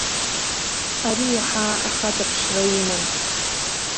Ари иаҳа ахаҵа ԥшра иман.